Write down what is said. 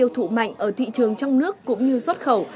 thụ mạnh ở thị trường trong nước cũng như xuất khẩu